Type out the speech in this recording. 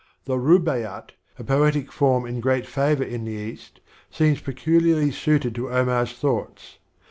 The Bubdiydt, a poetic form in great favor in the East, seems peculiarly suited to Omar's Introduction. thoughts.